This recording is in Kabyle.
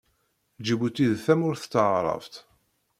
Ǧibuti d tamurt taɛṛabt.